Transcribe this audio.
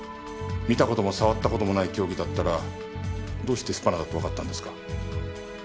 見た事も触った事もない凶器だったらどうしてスパナだとわかったんですか？